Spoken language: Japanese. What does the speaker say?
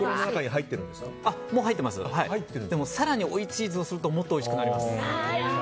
入ってますが更に追いチーズをするともっとおいしくなります。